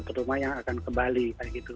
terutama yang akan kembali kayak gitu